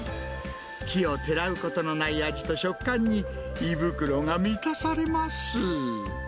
奇をてらうことのない味と食感に胃袋が満たされます。